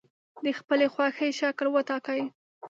د خپلې خوښې شکل وټاکئ.